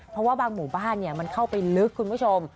เพราะว่าบางหมู่บ้านมันเข้าไปลึกคุณผู้ชม